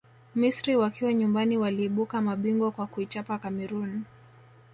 misri wakiwa nyumbani waliibuka mabingwa kwa kuichapa cameroon